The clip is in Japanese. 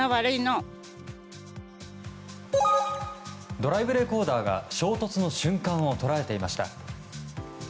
ドライブレコーダーが衝突の瞬間を捉えていました。